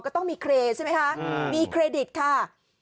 ก็ต้องมีเครใช่ไหมคะมีเครดิตค่ะ